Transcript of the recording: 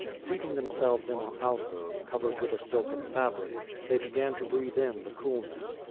Seating themselves in an alcove, covered with a silken fabric, they began to breathe in the coolness.